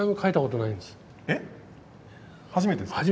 初めてですか。